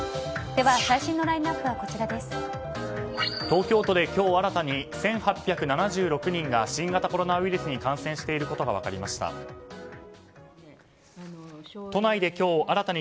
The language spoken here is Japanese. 東京都で今日新たに１８７６人が新型コロナウイルスに感染していることが分かりました。